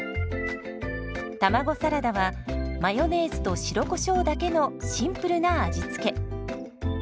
卵サラダはマヨネーズと白コショウだけのシンプルな味付け。